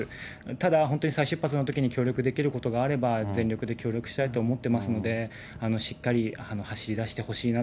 ただ、本当に再出発のときに協力できることがあれば、全力で協力したいと思ってますので、しっかり走り出してほしいな。